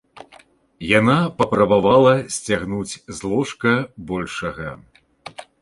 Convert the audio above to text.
Яна папрабавала сцягнуць з ложка большага.